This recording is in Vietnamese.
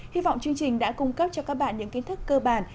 hy vọng chương trình đã cung cấp cho các bạn những kiến thức cơ bản